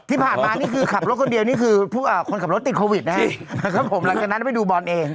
นี่คือขับรถคนเดียวนี่คือคนขับรถติดโควิดนะครับผมหลังจากนั้นไปดูบอลเอง